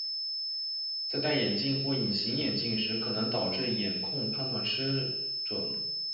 在戴眼镜或隐形眼镜时可能导致眼控判断失准。